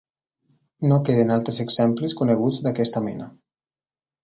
No queden altres exemples coneguts d'aquesta mena.